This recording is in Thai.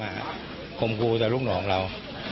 ไม่ข่มขู่แต่ลูกหนูของเรา